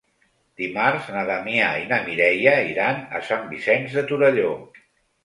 Dimarts na Damià i na Mireia iran a Sant Vicenç de Torelló.